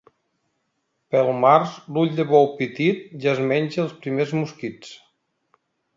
Pel març l'ull de bou petit ja es menja els primers mosquits.